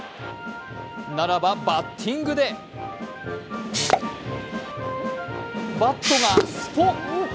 ならばバッティングでバットがスポッ！